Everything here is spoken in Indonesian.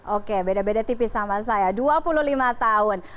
oke beda beda tipis sama saya dua puluh lima tahun